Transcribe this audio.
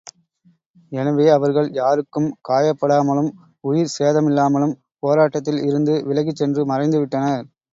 எனவே அவர்கள் யாருக்கும் காயப் படாமலும் உயிர்ச் சேதமில்லாமலும் போராட்டத்தில் இருந்து விலகிச் சென்று மறைந்துவிட்டனர்.